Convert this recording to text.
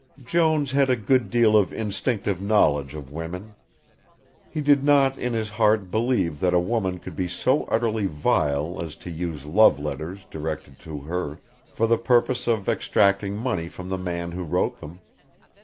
Jones had a good deal of instinctive knowledge of women. He did not in his heart believe that a woman could be so utterly vile as to use love letters directed to her for the purpose of extracting money from the man who wrote them.